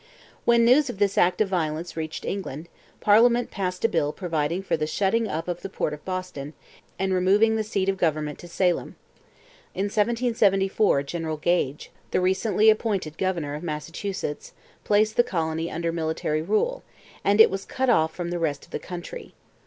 When news of this act of violence reached England, parliament passed a bill providing for the shutting up of the port of Boston and removing the seat of government to Salem. In 1774 General Gage, the recently appointed governor of Massachusetts, placed the colony under military rule, and it was cut off from the rest of the country.